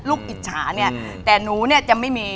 อิจฉาเนี่ยแต่หนูเนี่ยจะไม่มี